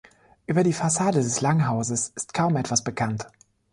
Über die Fassade des Langhauses ist kaum etwas bekannt.